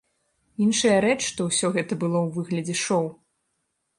Іншая рэч, што ўсё гэта было ў выглядзе шоу.